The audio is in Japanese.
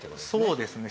そうですね。